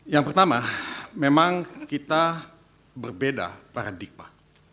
yang pertama memang kita berbeda paradigma